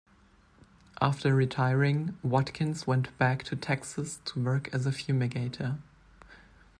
After retiring, Watkins went back to Texas to work as a fumigator.